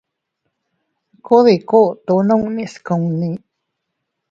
Kuu dii koto nunnis kunni.